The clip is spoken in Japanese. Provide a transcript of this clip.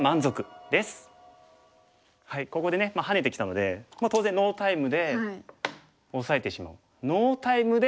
ここでねハネてきたので当然ノータイムで押さえてしまう。